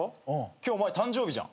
今日お前誕生日じゃん。